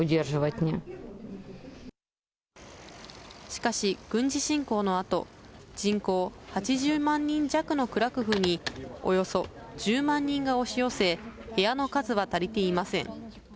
しかし、軍事侵攻のあと、人口８０万人弱のクラクフにおよそ１０万人が押し寄せ、部屋の数は足りていません。